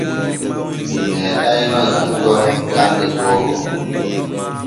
Mi meeɗayno yahugo jande booko.